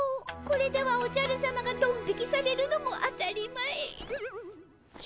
これではおじゃるさまがドン引きされるのも当たり前。